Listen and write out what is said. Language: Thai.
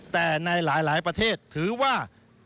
แต่ในหลายประเทศถือว่า